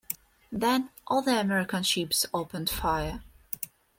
Then, all the American ships opened fire.